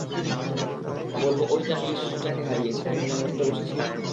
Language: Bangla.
বলব ঐ টানেলে শিশুটাকে হারিয়েছি, যেখানে মরতে বসেছিলাম?